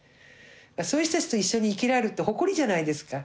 そういう人たちと一緒に生きられるって誇りじゃないですか。